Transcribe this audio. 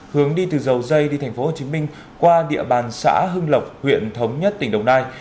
hướng đi từ dầu dây đi tp hcm qua địa bàn xã hưng lộc huyện thống nhất tỉnh đồng nai